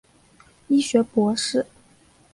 医学博士。